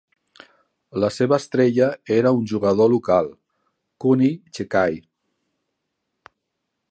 La seva estrella era un jugador local, Cooney Checkeye.